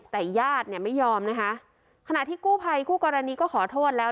แต่ญาติเนี่ยไม่ยอมนะคะขณะที่กู้ภัยคู่กรณีก็ขอโทษแล้ว